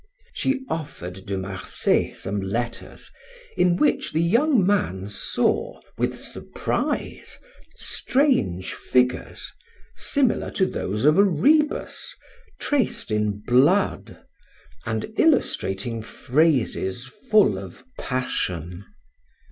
She offered De Marsay some letters, in which the young man saw, with surprise, strange figures, similar to those of a rebus, traced in blood, and illustrating phrases full of passion.